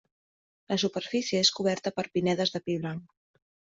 La superfície és coberta per pinedes de pi blanc.